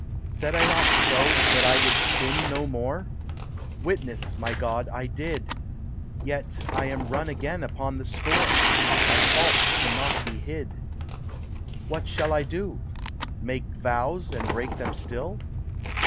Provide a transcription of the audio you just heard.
Said I not so, — that I would sin no more? Witness, my God, I did ; Yet I am run again upon the score : My faults cannot be hid. What shall I do? — make vows and break them still?